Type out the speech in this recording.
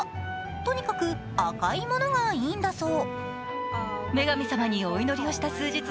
とにかく赤いものがいいんだそう。